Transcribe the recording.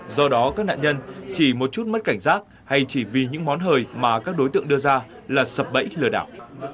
do đó các nạn nhân chỉ một chút mất cảnh giác hay chỉ vì những món hời mà các đối tượng đưa ra là sập bẫy lừa đảo